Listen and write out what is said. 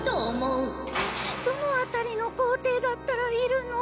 えっどのあたりの校庭だったらいるの？